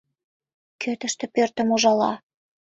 — Кӧ тыште пӧртым ужала?